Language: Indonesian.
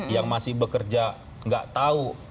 yang masih bekerja nggak tahu